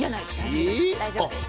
大丈夫です。